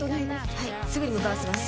はいすぐに向かわせます。